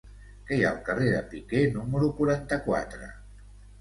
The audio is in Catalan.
Què hi ha al carrer de Piquer número quaranta-quatre?